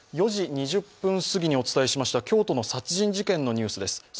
４時２０分すぎにお伝えしました京都の殺人事件のニュースです。